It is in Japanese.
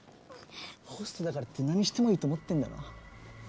ホストだからって何してもいいと思ってんだろ？